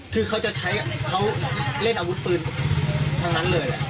คือเขาจะใช้เขาเล่นอาวุธปืนทั้งนั้นเลย